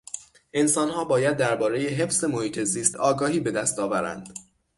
انسانها باید دربارهی حفظ محیط زیست آگاهی به دست آورند.